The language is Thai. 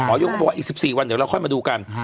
อ๋ายกคำประปวดอีก๑๔วันเดี๋ยวเราค่อยมาดูกัน